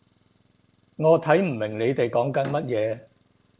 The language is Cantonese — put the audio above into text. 我睇唔明你哋講緊乜嘢